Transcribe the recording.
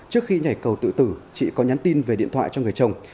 trước khi nhảy cầu tự tử chị có nhắn tin về điện thoại cho người chồng